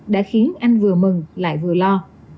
đã khiến anh vừa mừng lại vừa lo